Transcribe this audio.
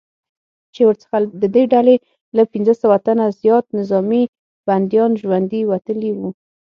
چې ورڅخه ددې ډلې له پنځه سوه تنه زیات نظامي بندیان ژوندي وتلي وو